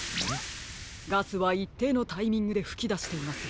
ガスはいっていのタイミングでふきだしています。